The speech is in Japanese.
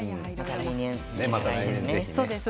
また来年ですね。